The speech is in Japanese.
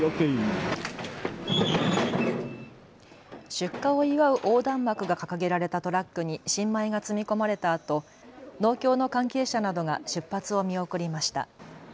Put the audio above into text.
出荷を祝う横断幕が掲げられたトラックに新米が積み込まれたあと、農協の関係者などが出発を見送りました。